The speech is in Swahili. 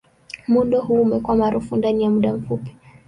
Muundo huu umekuwa maarufu ndani ya muda mfupi.